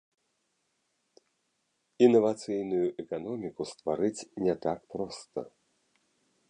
Інавацыйную эканоміку стварыць не так проста.